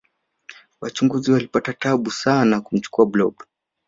wachunguzi walipata tabu sana kumchukua blob